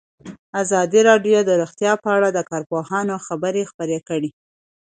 ازادي راډیو د روغتیا په اړه د کارپوهانو خبرې خپرې کړي.